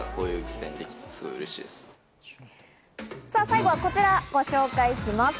最後はこちら、ご紹介します。